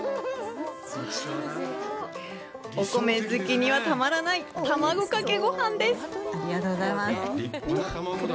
お米好きにはたまらない卵かけごはんです！